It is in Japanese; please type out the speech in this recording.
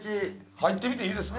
入ってみていいですか？